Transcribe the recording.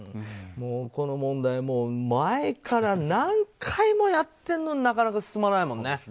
この問題前から何回もやってるのになかなか進まないもんね。